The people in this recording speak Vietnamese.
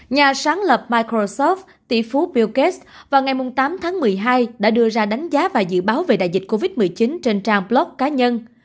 nhà sáng lập microsoft tỷ phú billcast vào ngày tám tháng một mươi hai đã đưa ra đánh giá và dự báo về đại dịch covid một mươi chín trên trang blog cá nhân